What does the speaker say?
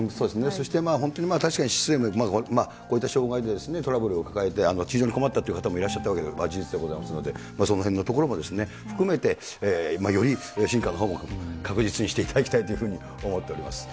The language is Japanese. そして本当、確かにこういった障害でトラブルを抱えて、非常に困ったという方もいらっしゃったのは事実でございますので、そのへんのところも含めて、より進化のほうも確実にしていただきたいというふうに思っております。